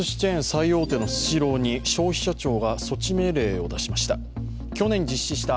最大手のスシローに消費者庁が措置命令を出しました。